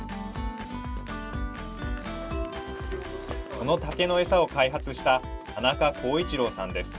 この竹のエサを開発した田中浩一郎さんです。